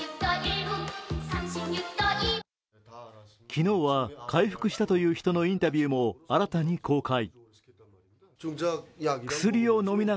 昨日は回復したという人のインタビューも新たに公開。